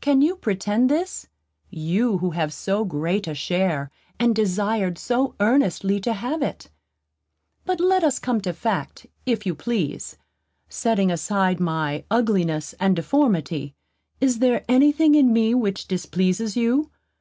Can you pretend this; you who have so great a share, and desired so earnestly to have it? But let us come to fact, if you please. Setting aside my ugliness and deformity, is there any thing in me which displeases you?